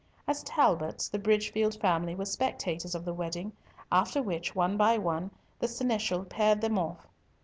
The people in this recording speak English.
As Talbots, the Bridgefield family were spectators of the wedding, after which, one by one, the seneschal paired them off.